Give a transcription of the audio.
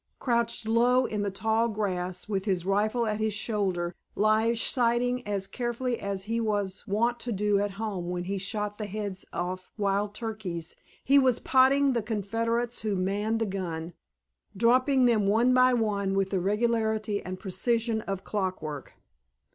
Crouched low in the tall grass, with his rifle at his shoulder, Lige sighting as carefully as he was wont to do at home when he shot the heads off wild turkeys, he was potting the Confederates who manned the gun, dropping them one by one with the regularity and precision of clockwork.